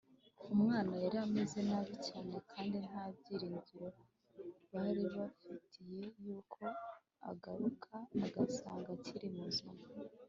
Umwana yari ameze nabi cyane, kandi, nta byiringiro bari bagifite yuko agaruka agasanga akiri muzima